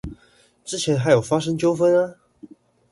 之前還有發生糾紛啊！